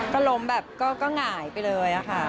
ก็ล้มแบบก็หงายไปเลยค่ะ